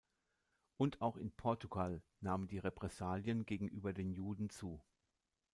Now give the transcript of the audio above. Und auch in Portugal nahmen die Repressalien gegenüber den Juden zu.